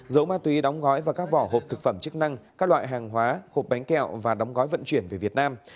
giấu ma túy đóng gói và các vỏ hộp thực phẩm chức năng các loại hàng hóa hộp bánh kẹo và đóng gói vận chuyển về việt nam